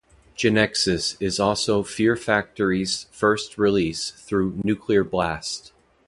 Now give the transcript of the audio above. "Genexus" is also Fear Factory's first release through Nuclear Blast.